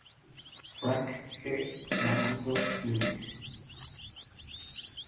Frank G. Mancuso Jr.